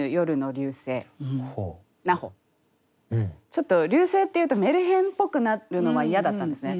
ちょっと「流星」っていうとメルヘンっぽくなるのは嫌だったんですね。